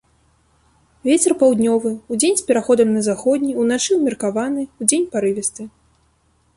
Вецер паўднёвы, удзень з пераходам на заходні, уначы ўмеркаваны, удзень парывісты.